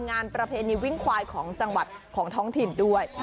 งานประเพณีวิ่งควายของจังหวัดของท้องถิ่นด้วย